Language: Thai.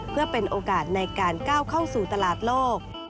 เพื่อเป็นโอกาสในการก้าวเข้าสู่ตลาดโลก